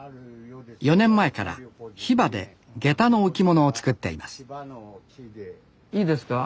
４年前からヒバでゲタの置物を作っていますいいですか？